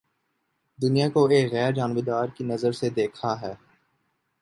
دنیا کو ایک غیر جانبدار کی نظر سے دیکھا ہے